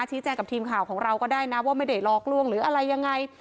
แจ้งกับทีมข่าวของเราก็ได้นะว่าไม่ได้หลอกล่วงหรืออะไรยังไง